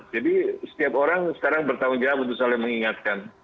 jadi setiap orang sekarang bertanggung jawab untuk saling mengingatkan